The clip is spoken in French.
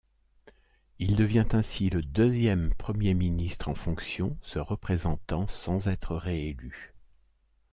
Il devient ainsi le deuxième Premier ministre en fonction se représentant sans être réélu.